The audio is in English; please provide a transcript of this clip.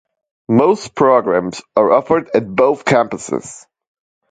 Most programs are offered at both campuses.